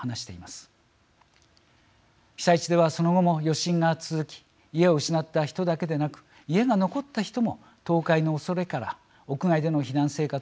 被災地ではその後も余震が続き家を失った人だけでなく家が残った人も倒壊のおそれから屋外での避難生活を強いられています。